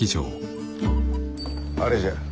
あれじゃ。